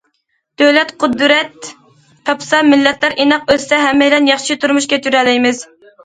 دۆلەت قۇدرەت تاپسا، مىللەتلەر ئىناق ئۆتسە، ھەممەيلەن ياخشى تۇرمۇش كەچۈرەلەيمىز.